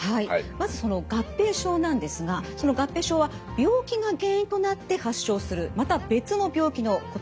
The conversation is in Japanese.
まずその合併症なんですがその合併症は病気が原因となって発症するまた別の病気のことです。